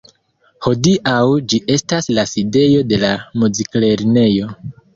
Hodiaŭ ĝi estas la sidejo de la Muziklernejo.